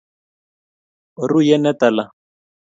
oruyen ne tala